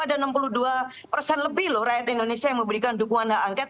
ada enam puluh dua lebih loh rakyat indonesia yang memberikan dukungan keangket